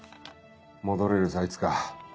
戻れるさいつか。